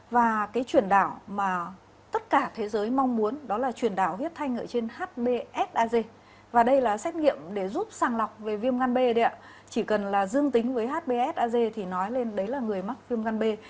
và cái chuyển đảo mà tất cả thế giới mong muốn đó là truyền đảo huyết thanh ở trên hbsag và đây là xét nghiệm để giúp sàng lọc về viêm gan b đấy ạ chỉ cần là dương tính với hbsag thì nói lên đấy là người mắc viêm gan b